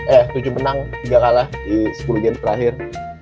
eh tujuh menang tiga kalah di sepuluh game terakhir